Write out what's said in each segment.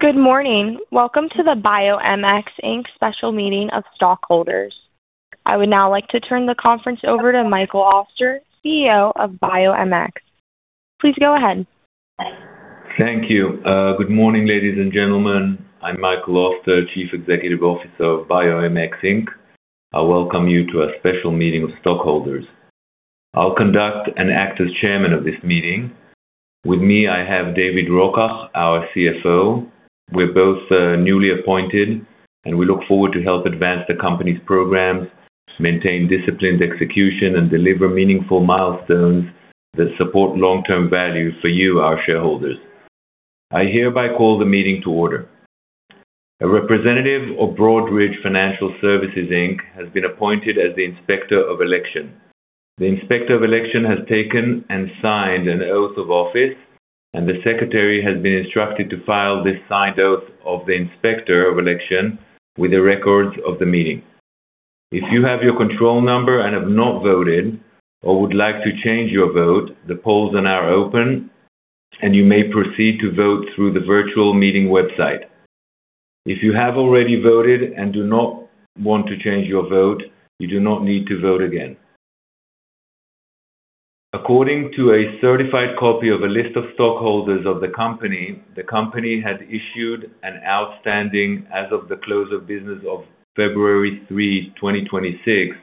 Good morning. Welcome to the BiomX Inc. special meeting of stockholders. I would now like to turn the conference over to Michael Oster, CEO of BiomX. Please go ahead. Thank you. Good morning, ladies and gentlemen. I'm Michael Oster, Chief Executive Officer of BiomX Inc. I welcome you to our special meeting of stockholders. I'll conduct and act as chairman of this meeting. With me, I have David Rokach, our CFO. We're both newly appointed, and we look forward to help advance the company's programs, maintain disciplined execution, and deliver meaningful milestones that support long-term value for you, our shareholders. I hereby call the meeting to order. A representative of Broadridge Financial Solutions, Inc. has been appointed as the Inspector of Election. The Inspector of Election has taken and signed an oath of office, and the secretary has been instructed to file this signed oath of the Inspector of Election with the records of the meeting. If you have your control number and have not voted or would like to change your vote, the polls are now open, and you may proceed to vote through the virtual meeting website. If you have already voted and do not want to change your vote, you do not need to vote again. According to a certified copy of a list of stockholders of the company, the company has issued an outstanding, as of the close of business of February 3, 2026,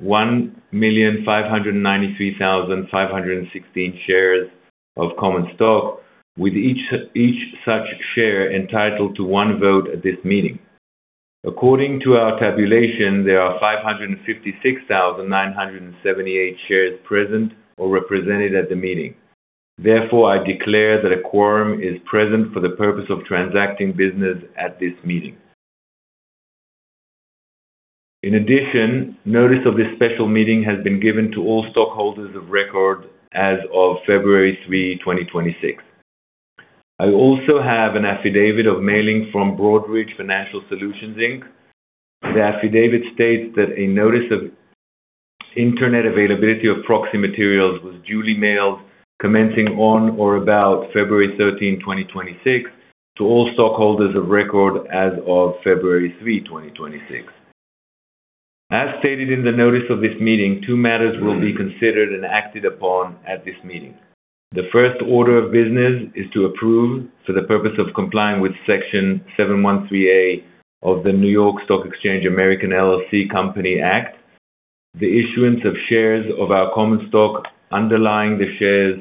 1,593,516 shares of common stock, with each such share entitled to one vote at this meeting. According to our tabulation, there are 556,978 shares present or represented at the meeting. Therefore, I declare that a quorum is present for the purpose of transacting business at this meeting. In addition, notice of this special meeting has been given to all stockholders of record as of February 3, 2026. I also have an affidavit of mailing from Broadridge Financial Solutions, Inc. The affidavit states that a notice of internet availability of proxy materials was duly mailed commencing on or about February 13, 2026, to all stockholders of record as of February 3, 2026. As stated in the notice of this meeting, two matters will be considered and acted upon at this meeting. The first order of business is to approve, for the purpose of complying with Section 713(a) of the NYSE American LLC Company Guide, the issuance of shares of our common stock underlying the shares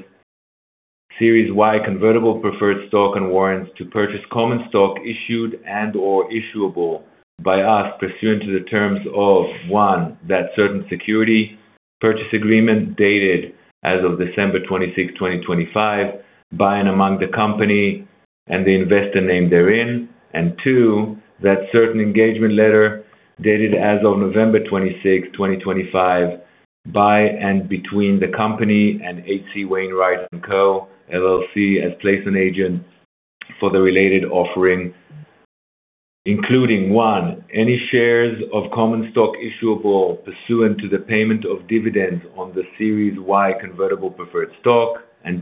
Series Y convertible preferred stock and warrants to purchase common stock issued and/or issuable by us pursuant to the terms of, one, that certain security purchase agreement dated as of December 26, 2025, by and among the company and the investor named therein, and two, that certain engagement letter dated as of November 26, 2025, by and between the company and H.C. Wainwright & Co., LLC, as placement agent for the related offering, including, one, any shares of common stock issuable pursuant to the payment of dividends on the Series Y convertible preferred stock.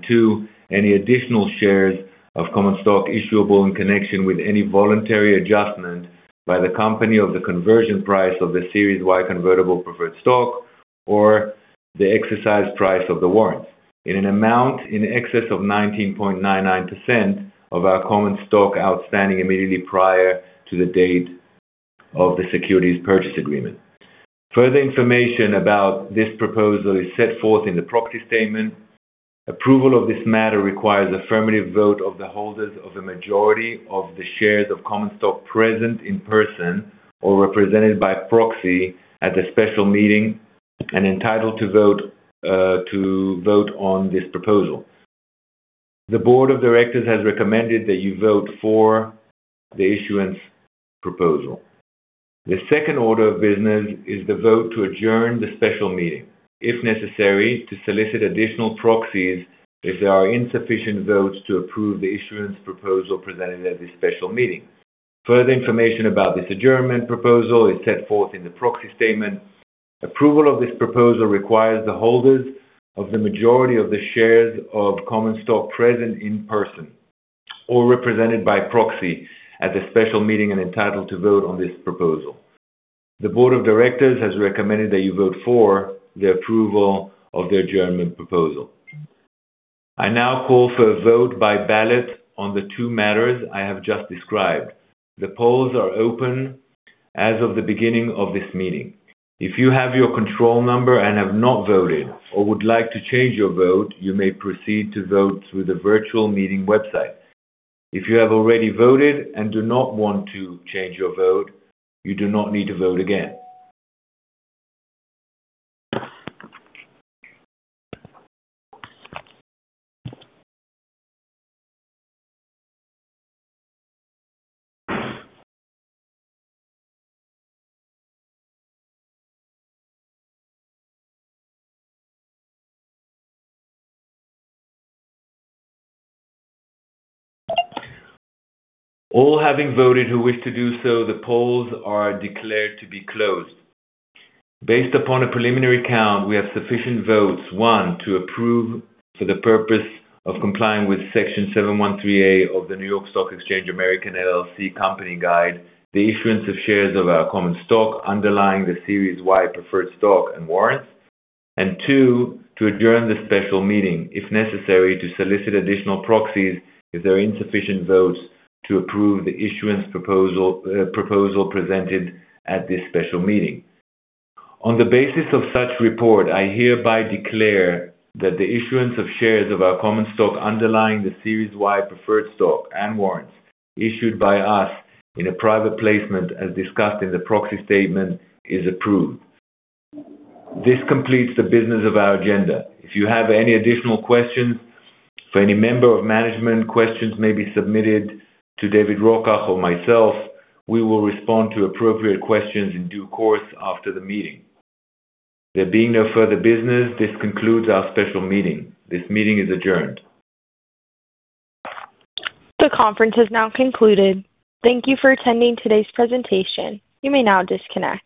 Two, any additional shares of common stock issuable in connection with any voluntary adjustment by the company of the conversion price of the Series Y convertible preferred stock or the exercise price of the warrants in an amount in excess of 19.99% of our common stock outstanding immediately prior to the date of the securities purchase agreement. Further information about this proposal is set forth in the proxy statement. Approval of this matter requires affirmative vote of the holders of a majority of the shares of common stock present in person or represented by proxy at the special meeting and entitled to vote on this proposal. The board of directors has recommended that you vote for the issuance proposal. The second order of business is the vote to adjourn the special meeting, if necessary, to solicit additional proxies if there are insufficient votes to approve the issuance proposal presented at this special meeting. Further information about this adjournment proposal is set forth in the proxy statement. Approval of this proposal requires the holders of the majority of the shares of common stock present in person or represented by proxy at the special meeting and entitled to vote on this proposal. The board of directors has recommended that you vote for the approval of the adjournment proposal. I now call for a vote by ballot on the two matters I have just described. The polls are open as of the beginning of this meeting. If you have your control number and have not voted or would like to change your vote, you may proceed to vote through the virtual meeting website. If you have already voted and do not want to change your vote, you do not need to vote again. All having voted who wish to do so, the polls are declared to be closed. Based upon a preliminary count, we have sufficient votes, one, to approve for the purpose of complying with Section 713(a) of the NYSE American LLC Company Guide, the issuance of shares of our common stock underlying the Series Y preferred stock and warrants. Two, to adjourn the special meeting, if necessary, to solicit additional proxies if there are insufficient votes to approve the issuance proposal presented at this special meeting. On the basis of such report, I hereby declare that the issuance of shares of our common stock underlying the Series Y preferred stock and warrants issued by us in a private placement, as discussed in the proxy statement, is approved. This completes the business of our agenda. If you have any additional questions for any member of management, questions may be submitted to David Rokach or myself. We will respond to appropriate questions in due course after the meeting. There being no further business, this concludes our special meeting. This meeting is adjourned. The conference has now concluded. Thank you for attending today's presentation. You may now disconnect.